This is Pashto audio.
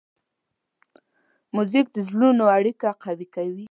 موزیک د زړونو اړیکه قوي کوي.